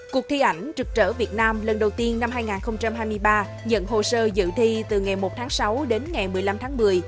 cuộc thi ảnh trực trở việt nam lần đầu tiên năm hai nghìn hai mươi ba nhận hồ sơ dự thi từ ngày một tháng sáu đến ngày một mươi năm tháng một mươi